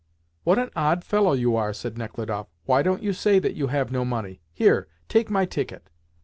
"What an odd fellow you are!" said Nechludoff. "Why don't you say that you have no money? Here, take my ticket."